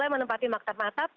mulai menempati maktab maktab